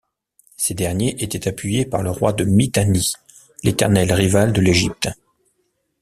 Ces derniers étaient appuyés par le roi de Mitanni, l'éternel rival de l'Égypte.